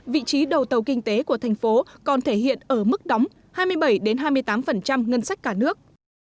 vị trí đầu tàu kinh tế của thành phố còn thể hiện ở mức đóng hai mươi bảy hai mươi tám ngân sách cả nước